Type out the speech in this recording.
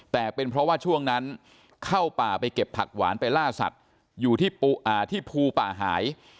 แต่เป็นเพราะว่าช่วงนั้นเข้าป่าไปเก็บผักหวานไปล่าสัตว์อยู่ที่ภูป่าหาย